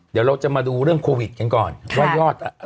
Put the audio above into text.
เดี๋ยวเราจะมาดูเรื่องโควิดกันก่อนว่ายอดอ่ะ